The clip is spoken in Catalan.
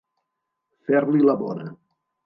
Fer-li la bona.